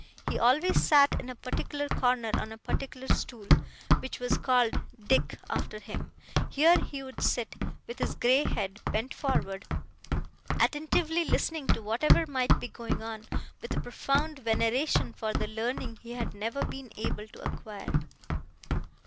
He always sat in a particular corner, on a particular stool, which was called 'Dick', after him; here he would sit, with his grey head bent forward, attentively listening to whatever might be going on, with a profound veneration for the learning he had never been able to acquire.